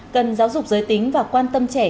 cần giáo dục giới tính và quan tâm trẻ như thế nào